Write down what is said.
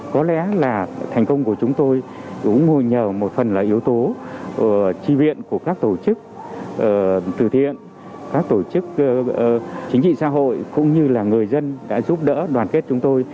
có lẽ là thành công của chúng tôi cũng ngồi nhờ một phần là yếu tố tri viện của các tổ chức từ thiện các tổ chức chính trị xã hội cũng như là người dân đã giúp đỡ đoàn kết chúng tôi